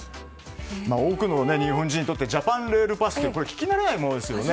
多くの日本人にとってジャパン・レール・パスって聞き慣れないものですよね。